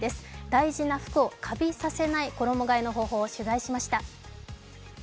大事な服をかびさせない衣がえの方法、取材しました。